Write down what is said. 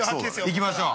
◆行きましょう。